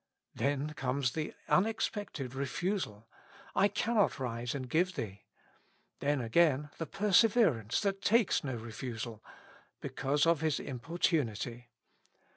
Then comes the unexpected refusal; " I can7iot rise and give thee." Then again \}i\Q perseverance \}a?i\.\.2ik.^^ no refusal: "because of his importimity.'